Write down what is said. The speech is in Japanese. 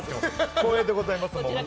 光栄でございます。